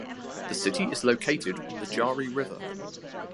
The city is located on the Jari River.